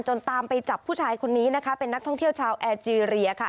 ตามไปจับผู้ชายคนนี้นะคะเป็นนักท่องเที่ยวชาวแอเจรียค่ะ